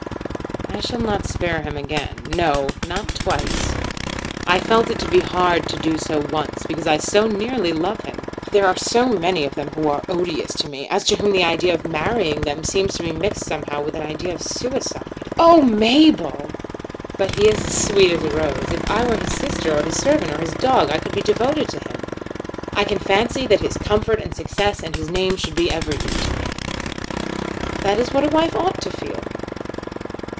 "I shall not spare him again. No; not twice. I felt it to be hard to do so once, because I so nearly love him! There are so many of them who are odious to me, as to whom the idea of marrying them seems to be mixed somehow with an idea of suicide." "Oh, Mabel!" "But he is as sweet as a rose. If I were his sister, or his servant, or his dog, I could be devoted to him. I can fancy that his comfort and his success and his name should be everything to me." "That is what a wife ought to feel."